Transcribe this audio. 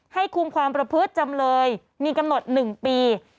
คุมความประพฤติจำเลยมีกำหนด๑ปี